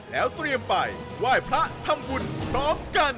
แล้วเตรียมไปไหว้พระทำบุญพร้อมกัน